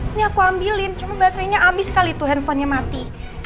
ini aku ambilin cuma baterenya abis kali tuh hpnya mati